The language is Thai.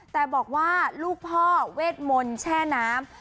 แต่บอกว่าลูกพ่อเวทมนต์แช่น้ำ